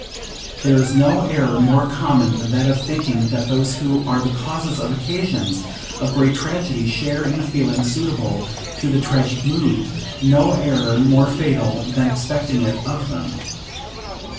There is no error more common than that of thinking that those who are the causes or occasions of great tragedies share in the feelings suitable to the tragic mood: no error more fatal than expecting it of them.